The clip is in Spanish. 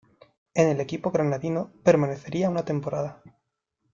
En el equipo granadino permanecería una temporada.